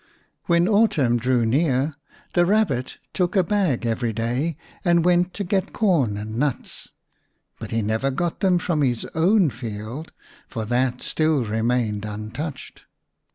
When autumn drew near the Kabbit took a bag every day and went to get corn and nuts. But he never got them from his own field, for that still remained untouched.